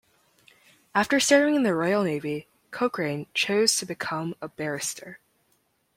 After serving in the Royal Navy Cochrane chose to become a barrister.